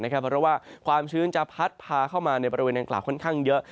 เพราะว่าความชื้นจะพัดพาเข้ามาในบริเวณดังกล่าวค่อนข้างเยอะ